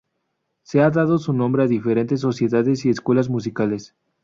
Se ha dado su nombre a diferentes sociedades y escuelas musicales.